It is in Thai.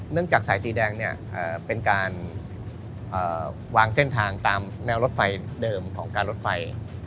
จากสายสีแดงเนี่ยเป็นการวางเส้นทางตามแนวรถไฟเดิมของการรถไฟ